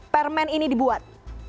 permen ini dibuat